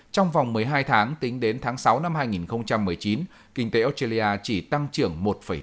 trong vòng một mươi hai tháng tính đến tháng sáu năm hai nghìn một mươi chín kinh tế australia chỉ tăng trưởng một chín